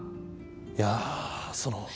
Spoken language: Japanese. いやそのう。